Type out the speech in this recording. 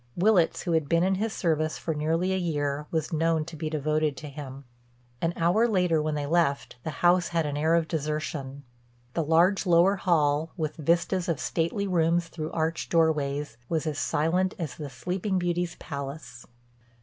Willitts, who had been in his service for nearly a year, was known to be devoted to him. An hour later, when they left, the house had an air of desertion. The large lower hall, with vistas of stately rooms through arched doorways, was as silent as the Sleeping Beauty's palace.